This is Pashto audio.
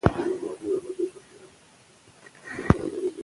زده کړه د علم د تحصیل د روانو نقطو د پیژندلو لپاره مهمه ده.